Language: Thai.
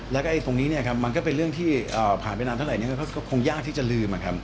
แล้วก็ตรงนี้มันก็เป็นเรื่องที่ผ่านไปนานเท่าไหร่ก็คงยากที่จะลืมนะครับ